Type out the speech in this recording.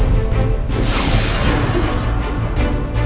mas rasha tunggu